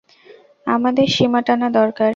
আমাদের সীমা টানা দরকার।